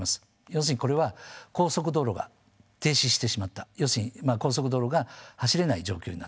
要するにこれは高速道路が停止してしまった要するに高速道路が走れない状況になってる。